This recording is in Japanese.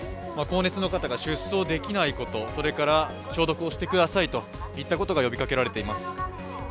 高熱の方が出走できないことそれから消毒をしてくださいといったことが呼びかけられています。